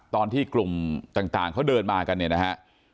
ตอนที่กลุ่มต่างเขาเดินมากันเนี่ยนะฮะ